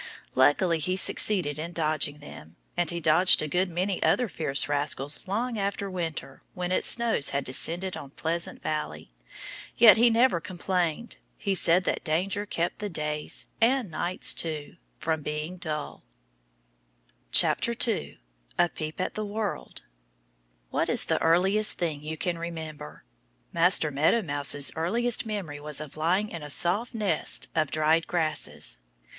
Luckily he succeeded in dodging them. And he dodged a good many other fierce rascals long after winter with its snow had descended on Pleasant Valley. Yet he never complained. He said that danger kept the days and nights too from being dull. 2 A Peep at the World WHAT is the earliest thing you can remember? Master Meadow Mouse's earliest memory was of lying in a soft nest of dried grasses.